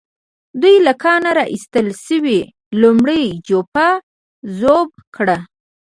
دوی له کانه را ايستل شوې لومړۍ جوپه ذوب کړه.